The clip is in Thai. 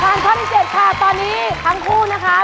หลังขั้นสี่เจ็ดค่ะตอนนี้ทั้งคู่นะค่ะ